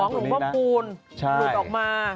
ของหลวงพวกคุณหลุดออกมา